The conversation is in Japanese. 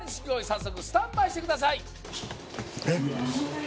早速スタンバイしてください